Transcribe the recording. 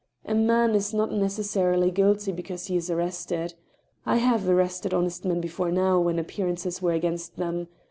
... A man is not neces sarily guilty because he is arrested. I have arrested honest men before now when appearances were against them.